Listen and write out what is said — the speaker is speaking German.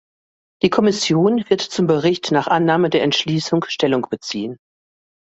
Die Kommission wird zum Bericht nach Annahme der Entschließung Stellung beziehen.